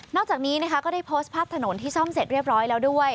จากนี้นะคะก็ได้โพสต์ภาพถนนที่ซ่อมเสร็จเรียบร้อยแล้วด้วย